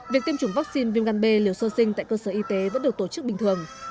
việc tiêm chủng vaccine viêm gan b liều sơ sinh tại cơ sở y tế vẫn được tổ chức bình thường